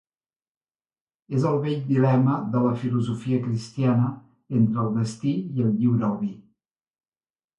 És el vell dilema de la filosofia cristiana entre el destí i el lliure albir.